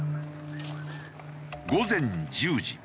午前１０時。